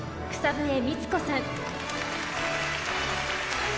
草笛光子さん。